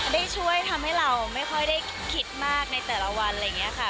ได้ช่วยทำให้เราไม่ค่อยได้คิดมากในแต่ละวันอะไรอย่างนี้ค่ะ